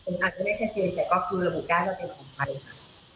มันอาจจะไม่แค่เจนแต่ก็คือหุ้นกล้าเกิดเป็นของใคร